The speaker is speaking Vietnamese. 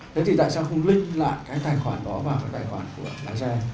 thế thì tại sao không link lại cái tài khoản đó vào cái tài khoản của lái xe